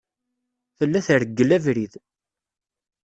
Tella treggel abrid.